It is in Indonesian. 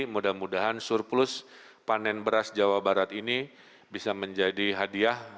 mudah mudahan surplus panen beras jawa barat ini bisa menjadi hadiah